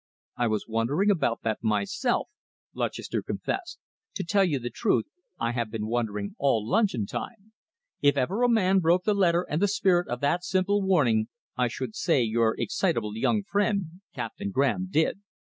"I was wondering about that myself," Lutchester confessed. "To tell you the truth, I have been wondering all luncheon time. If ever a man broke the letter and the spirit of that simple warning I should say your excitable young friend, Captain Graham, did."